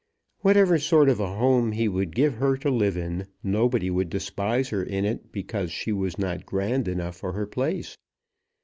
Whatever sort of a home he would give her to live in, nobody would despise her in it because she was not grand enough for her place.